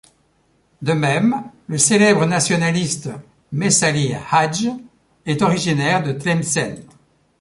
De même, le célèbre nationaliste Messali Hadj est originaire de Tlemcen.